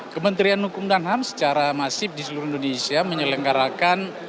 kementerian hukum dan ham secara masif di seluruh indonesia menyelenggarakan